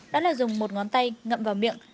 đó là dùng một ngón tay ngậm vào miệng